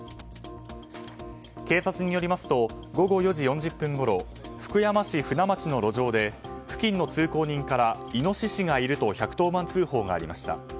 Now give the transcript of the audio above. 警察によりますと午後４時４０分ごろ福山市船町の路上で付近の通行人からイノシシがいると１１０番通報がありました。